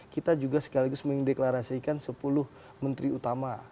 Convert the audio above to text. kita juga sekaligus mendeklarasikan sepuluh menteri utama